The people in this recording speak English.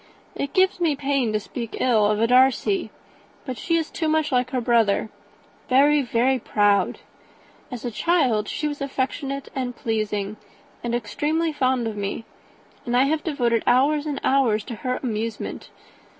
It gives me pain to speak ill of a Darcy; but she is too much like her brother, very, very proud. As a child, she was affectionate and pleasing, and extremely fond of me; and I have devoted hours and hours to her amusement.